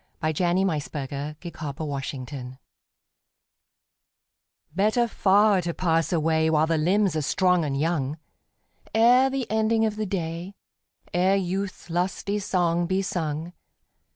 XV Better Far to Pass Away BETTER far to pass away While the limbs are strong and young, Ere the ending of the day, Ere youth's lusty song be sung.